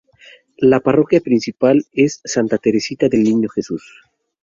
La parroquia principal es Santa Teresita del Niño Jesús.